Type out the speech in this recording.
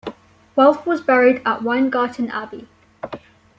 Welf was buried at Weingarten Abbey.